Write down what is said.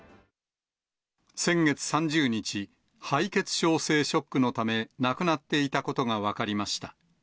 先月３０日、敗血症性ショックのため、亡くなっていたことが分かりました。